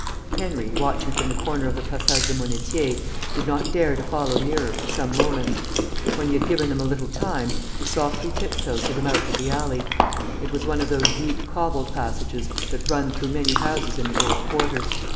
Henry, watching from the corner of the Passage de Monnetier, did not dare to follow nearer for some moments. When he had given them a little time, he softly tiptoed to the mouth of the alley. It was one of those deep cobbled passages that run through many houses in the old quarter.